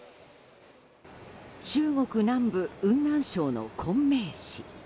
中国南部雲南省の昆明市。